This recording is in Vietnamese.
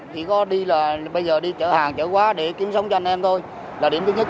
chỉ có đi là bây giờ đi chợ hàng chở quá để kiếm sống cho anh em thôi là điểm thứ nhất